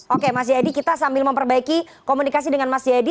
oke mas jayadi kita sambil memperbaiki komunikasi dengan mas jayadi